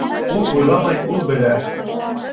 Ул уйламай, ул белә.